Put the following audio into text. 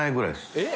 えっ？